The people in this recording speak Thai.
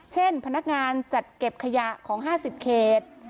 เช่นพนักงานจัดเก็บขยะของ๕๐เขต